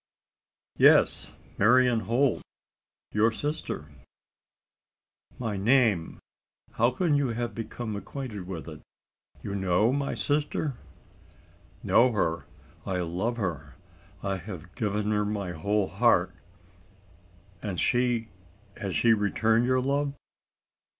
"Yes, Marian Holt your sister." "My name! how can you have become acquainted with it? You know my sister?" "Know her, and love her I have given her my whole heart." "And she has she returned your love?"